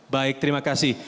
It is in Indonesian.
baik terima kasih